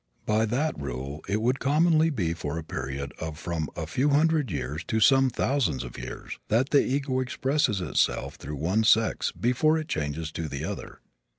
By that rule it would commonly be for a period of from a few hundred years to some thousands of years, that the ego expresses itself through one sex before it changes to the other.